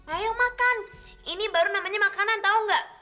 ayo makan ini baru namanya makanan tau gak